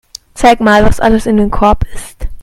Zeig mal, was alles in dem Korb ist.